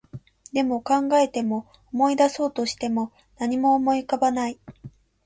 でも、考えても、思い出そうとしても、何も思い浮かばない